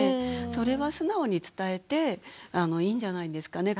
それは素直に伝えていいんじゃないですかね。